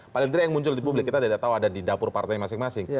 paling tidak yang muncul di publik kita tidak tahu ada di dapur partai masing masing